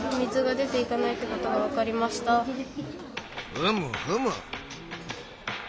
ふむふむ。